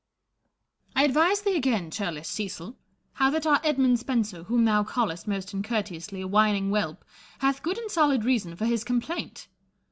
I advise thee again, churlish Cecil, how that our Edmund Spenser, whom thou callest most uncourteously a whining whelp, hath good and solid reason for his com plaint.